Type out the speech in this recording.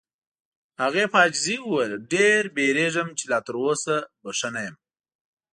هغې په عاجزۍ وویل: ډېر وېریږم چې لا تر اوسه به ښه نه یم.